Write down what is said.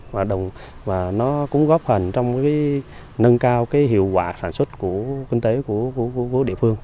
và nó cũng góp phần trong nâng cao hiệu quả sản xuất của kinh tế của địa phương